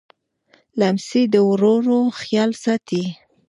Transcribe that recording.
لمسی د ورور خیال ساتي.